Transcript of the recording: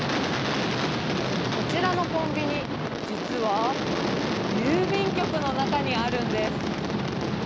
こちらのコンビニ、実は郵便局の中にあるんです。